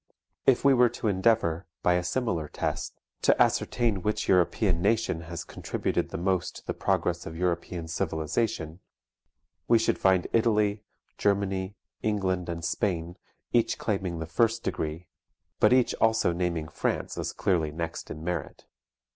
If we were to endeavour, by a similar test, to ascertain which European nation has contributed the most to the progress of European civilization, we should find Italy, Germany, England, and Spain, each claiming the first degree, but each also naming France as clearly next in merit.